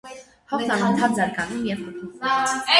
Հողն անընդհատ զարգանում և փոփոխվում է։